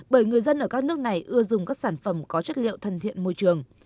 bởi người dân ở các nước này ưa dùng các sản phẩm có chất liệu thân thiện môi trường